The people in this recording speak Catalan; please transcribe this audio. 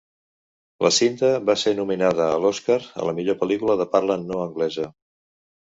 La cinta va ser nominada a l'Oscar a la Millor pel·lícula de parla no anglesa.